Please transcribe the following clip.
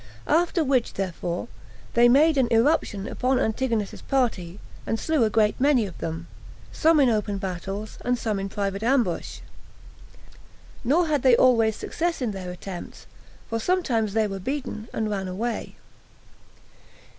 After which, therefore, they made an irruption upon Antigonus's party, and slew a great many of them, some in open battles, and some in private ambush; nor had they always success in their attempts, for sometimes they were beaten, and ran away.